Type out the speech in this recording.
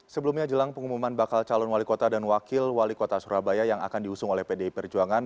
sebelumnya jelang pengumuman bakal calon wali kota dan wakil wali kota surabaya yang akan diusung oleh pdi perjuangan